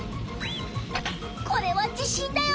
これは地震だよ！